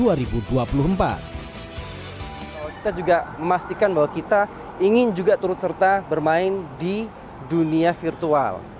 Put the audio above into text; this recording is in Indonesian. kita juga memastikan bahwa kita ingin juga turut serta bermain di dunia virtual